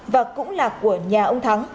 và cũng là của nhà ông thắng